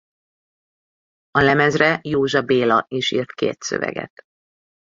A lemezre Józsa Béla is írt két szöveget.